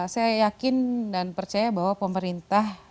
saya yakin dan percaya bahwa pemerintah